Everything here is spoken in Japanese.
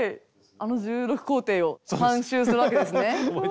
あの１６工程を３周するわけですね。